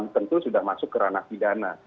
tentu sudah masuk kerana pidana